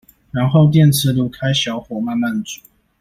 然後電磁爐開小火慢慢煮